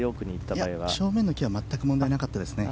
正面の木は全く問題なかったですね。